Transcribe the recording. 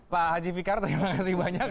pak haji fikar terima kasih banyak